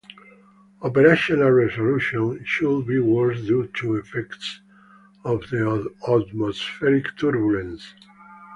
Operational resolution should be worse due to effects of the atmospheric turbulence.